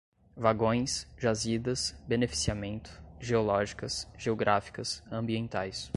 vagões, jazidas, beneficiamento, geológicas, geográficas, ambientais